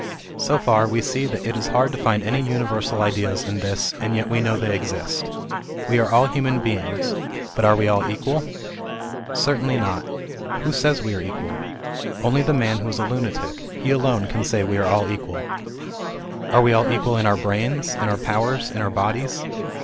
So far we see that it is hard to find any universal ideas in this, and yet we know they exist. We are all human beings, but are we all equal ? Certainly not. Who says we are equal? Only the man who is a lunatic ; he alone can say<Ave are all equal. Are we all equal in our brains, in our powers, in our bodies